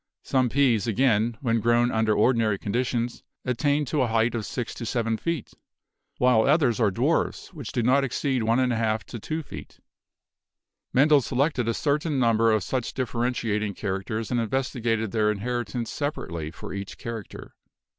Some peas again, when grown under or dinary conditions, attain to a height of 6 to 7 feet, while others are dwarfs which do not exceed 1^2 to 2 feet. Mendel selected a certain number of such differentiat ing characters and investigated their inheritance sepa rately for each character.